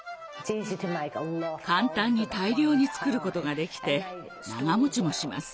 簡単に大量に作ることができて長持ちもします。